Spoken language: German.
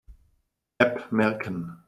App merken.